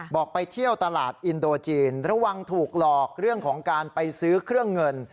ไปเที่ยวตลาดอินโดจีนระวังถูกหลอกเรื่องของการไปซื้อเครื่องเงิน